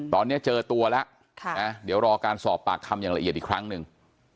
ตอนนี้เจอตัวแล้วเดี๋ยวรอการสอบปากคำอย่างละเอียดอีกครั้งหนึ่ง